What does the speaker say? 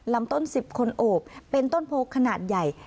ลำต้น๑๐คนโอบเป็นต้นโพขนาดใหญ่